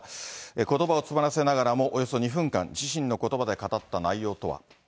ことばを詰まらせながらもおよそ２分間、自身のことばで語った内